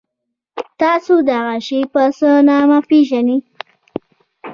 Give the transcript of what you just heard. تاسو دغه شی په څه نامه پيژنی؟